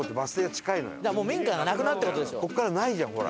ここからないじゃんほら。